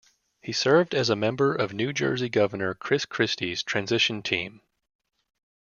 He served as a member of New Jersey Governor Chris Christie's transition team.